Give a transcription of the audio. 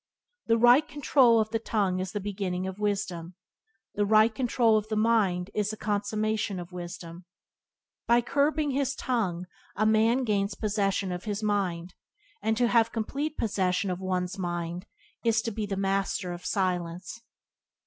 The right Byways to Blessedness by James Allen 52 control of the tongue is the beginning of wisdom; the right control of the mind is the consummation of wisdom. By curbing his tongue a man gains possession of his mind, and to have complete possession of one's mind is to be a Master of Silence.